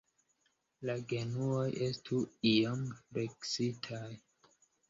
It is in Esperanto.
La genuoj estu iom fleksitaj.